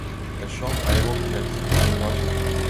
La chambre aéroclimatique est opérationnelle.